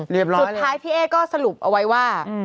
สุดท้ายพี่เอ๊ก็สรุปเอาไว้ว่า